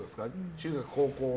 中学、高校？